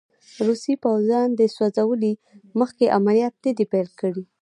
روسي پوځیانو د سوځولې مځکې عملیات نه دي پیل کړي.